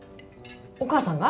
お母さんが？